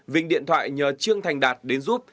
vinh điện thoại nhờ trương thành đạt đến giúp